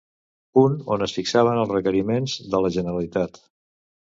Punt on es fixaven els requeriments de la Generalitat.